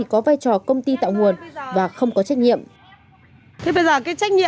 thế bây giờ sao lại em lại vô trách nhiệm em lại nói lại em chịu là thế nào